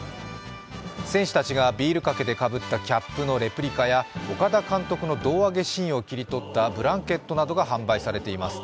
選手たちがビールかけでかぶったキャップのレプリカや岡田監督の胴上げシーンを切り取ったブランケットなどが販売されています。